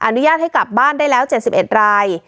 อนุญาตให้กลับบ้านได้แล้ว๗๑ราย